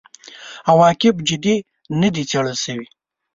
عواقب جدي نه دي څېړل شوي.